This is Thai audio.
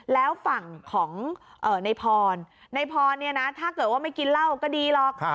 แล้วฝั่งของในพรในพรถ้าไม่กินเหล้าก็ดีหรอก